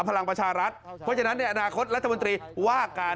เพราะฉะนั้นในอนาคตรัฐมนตรีว่าการ